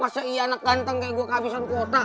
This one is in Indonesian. masa ian ganteng kayak gua kehabisan kota